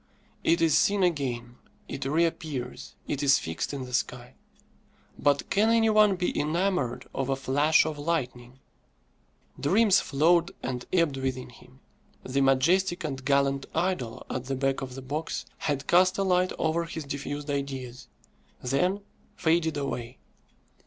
It is seen again, it reappears, it is fixed in the sky. But can any one be enamoured of a flash of lightning? Dreams flowed and ebbed within him. The majestic and gallant idol at the back of the box had cast a light over his diffused ideas, then faded away.